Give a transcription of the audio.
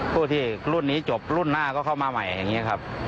ผู้ที่รุ่นนี้จบรุ่นหน้าก็เข้ามาใหม่อย่างนี้ครับ